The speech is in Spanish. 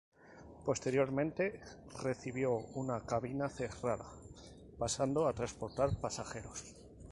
Posteriormente, recibió una cabina cerrada, pasando a transportar pasajeros.